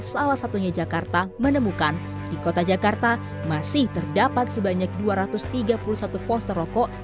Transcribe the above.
salah satunya jakarta menemukan di kota jakarta masih terdapat sebanyak dua ratus tiga puluh satu poster rokok